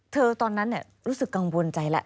ตอนนั้นรู้สึกกังวลใจแล้ว